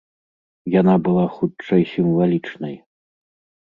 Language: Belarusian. Яна была хутчэй сімвалічнай.